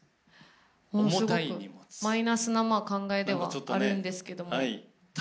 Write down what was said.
ものすごくマイナスな考えではあるんですけども。